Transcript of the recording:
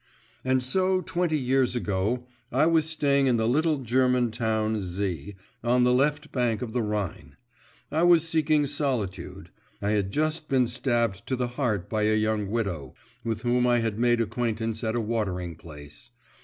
And so twenty years ago I was staying in the little German town Z., on the left bank of the Rhine. I was seeking solitude; I had just been stabbed to the heart by a young widow, with whom I had made acquaintance at a watering place.